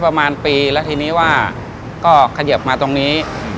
ตรงนี้มาเราก็ขยับมาตรงนี้